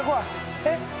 えっ！？